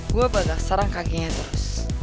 gua bakal serang kakinya terus